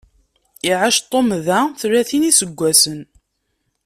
Iɛac Tom da tlatin n iseggasen.